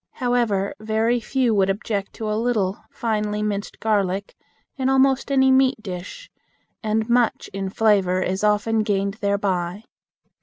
However, very few would object to a little finely minced garlic in almost any meat dish, and much in flavor is often gained thereby.